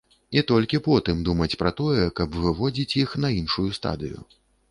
І толькі потым думаць пра тое, каб выводзіць іх на іншую стадыю.